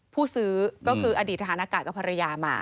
ผู้ว่าซื้อก็คืออดีตฐานกาลกับภรรยามา